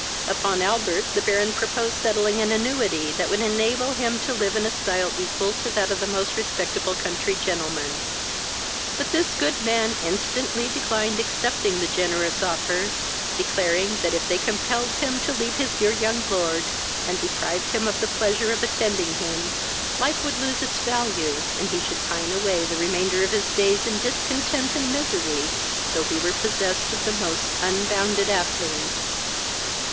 Upon Albert the Baron proposed settling an annuity that would enable him to live in a stile equal to that of the most respectable country gentleman; but this good man instantly declined accepting the generous offer, declaring, that if they compelled him to leave his dear young lord, and deprived him of the pleasure of attending him, life would lose its value, and he should pine away the remainder of his days in discontent and misery, though he were possessed of the most unbounded affluence.